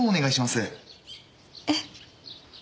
えっ。